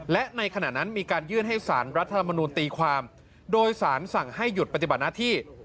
และในขณะนั้นมีการยื่นให้สารรัฐธรรมนูลตีความโดยสารสั่งให้หยุดปฏิบัติหน้าที่